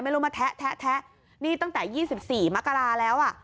ไม่รู้มะแท๊ะแท๊ะแท๊ะนี่ตั้งแต่ยี่สิบสี่มกราแล้วอ่ะ